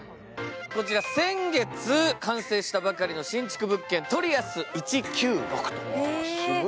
こちら先月、完成したばかりの新築物件、ｔｒｉａｓ１９６と。